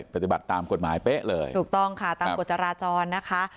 ปฏิบัติตามกฎหมายเป๊ะเลยถูกต้องค่ะตามกฎจราจรนะคะ